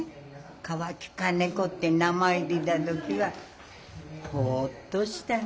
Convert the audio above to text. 川木金子って名前出た時はほっとした。